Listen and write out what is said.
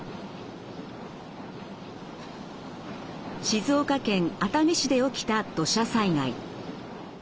静岡県熱海市で起きた土砂災害。